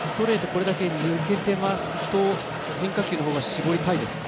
これだけ抜けてますと変化球のほうが絞りたいですか？